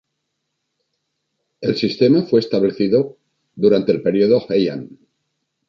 El sistema fue establecido durante el período Heian.